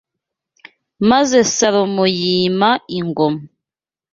maze Salomo yima ingoma